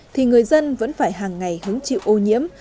thì người dân vẫn phải hàng ngày hứng chịu ô nhiễm